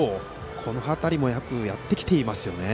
この辺りもよくやってきてますね。